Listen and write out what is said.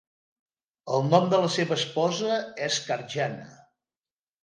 El nom de la seva esposa és Karnjana.